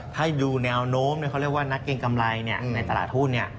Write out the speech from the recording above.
ถ้าดูแนวโน้มเขาเรียกว่านักเกรงกำไรในตลาดหุ้น